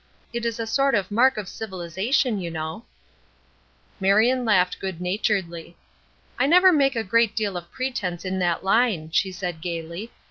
It is a sort of mark of civilization, you know." Marion laughed good naturedly. "I never make a great deal of pretense in that line," she said, gayly.